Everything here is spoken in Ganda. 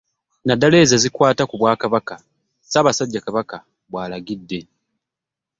Naddala ezo ezikwata ku Bwakabaka, Ssaabasajja Kabaka bw'alagidde.